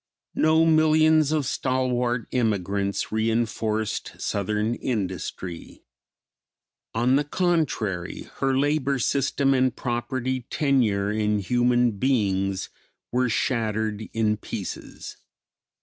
No millions of stalwart immigrants reinforced Southern industry; on the contrary her labor system and property tenure in human beings were shattered in pieces.